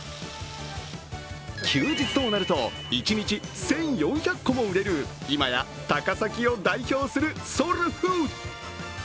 休日ともなると一日１４００個も売れる今や高崎を代表するソウルフード。